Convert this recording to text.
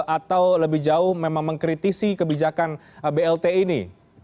atau lebih jauh memang mengkritisi kebijakan blt ini